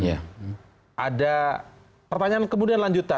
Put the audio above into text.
ada pertanyaan kemudian lanjutan